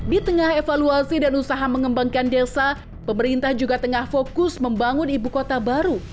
di tengah evaluasi dan usaha mengembangkan desa pemerintah juga tengah fokus membangun ibu kota baru